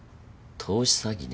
投資詐欺ね。